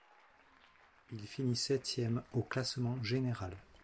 Il finit septième au classement général.